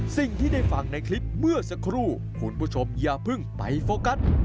สิ่งที่ได้ฟังในคลิปเมื่อสักครู่คุณผู้ชมอย่าเพิ่งไปโฟกัส